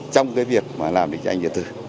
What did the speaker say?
trong cái việc mà làm được cho anh yến thư